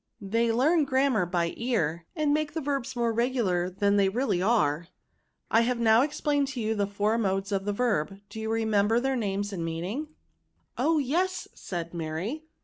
They learn grammar by the ear, and make the verbs more regular than they really are." '^ I have now explained to you the four modes of the verb ; do you. remember their names and meaning?" ♦u 6 228 TERBS ." Oh yes," said Mary.